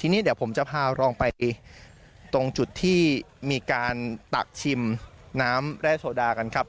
ทีนี้เดี๋ยวผมจะพาลองไปตรงจุดที่มีการตักชิมน้ำแร่โซดากันครับ